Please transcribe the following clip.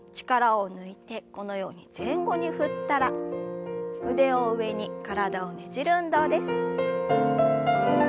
力を抜いてこのように前後に振ったら腕を上に体をねじる運動です。